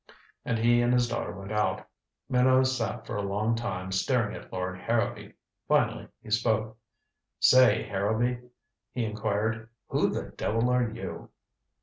And he and his daughter went out. Minot sat for a long time staring at Lord Harrowby. Finally he spoke. "Say, Harrowby," he inquired, "who the devil are you?"